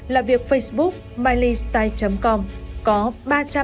là việc facebook mileystyle com có ba trăm ba mươi hai lượt thích